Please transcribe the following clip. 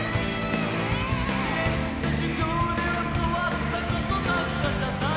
「決して授業で教わったことなんかじゃない」